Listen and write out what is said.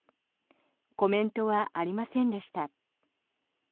コメントはありませんでした。